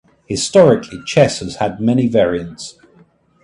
Historically chess has had many variants.